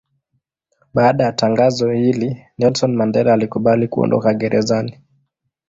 Baada ya tangazo hili Nelson Mandela alikubali kuondoka gerezani.